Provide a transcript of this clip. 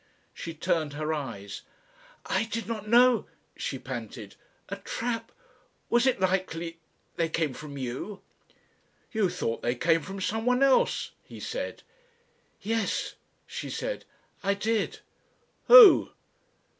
She turned her eyes, "I did not know," she panted. "A trap.... Was it likely they came from you?" "You thought they came from someone else," he said. "Yes," she said, "I did." "Who?"